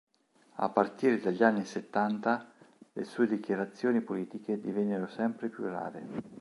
A partire dagli anni Settanta, le sue dichiarazioni politiche divennero sempre più rare.